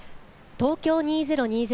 東京２０２０